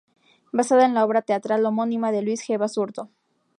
Basada en la obra teatral homónima de Luis G. Basurto.